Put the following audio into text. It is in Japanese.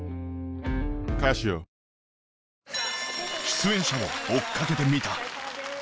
出演者を追っかけてみた。